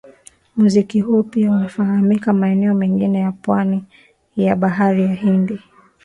Muziki huu pia unafahamika maeneo mengine ya pwani ya Bahari ya Hindi